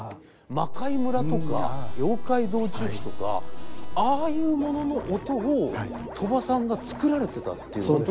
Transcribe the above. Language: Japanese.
「魔界村」とか「妖怪道中記」とかああいうものの音を鳥羽さんが作られてたっていうことなんですか？